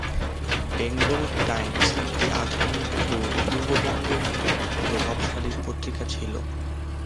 Bengal Times একটি আধুনিক ও পূর্ববঙ্গের একটি প্রভাবশালী পত্রিকা ছিল।